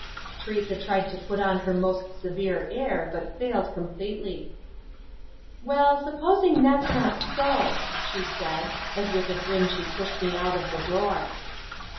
Teresa tried to put on her most severe air, but failed completely. "Well, supposing that's not so!" she said, as with a grin she pushed me out of the door.